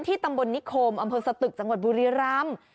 ตำบลนิคมอำเภอสตึกจังหวัดบุรีรำ